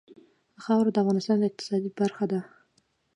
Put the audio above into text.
خاوره د افغانستان د اقتصاد برخه ده.